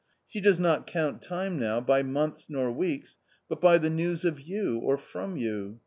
She does not count time now by months, nor weeks, but by the news of you, or from you.